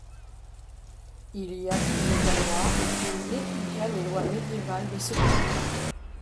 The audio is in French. Il y apprit le gallois et y étudia les lois médiévales de ce pays.